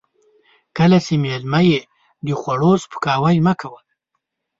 کله چې مېلمه يې د خوړو سپکاوی مه کوه.